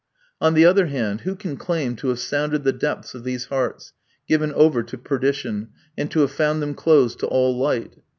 On the other hand, who can claim to have sounded the depths of these hearts, given over to perdition, and to have found them closed to all light?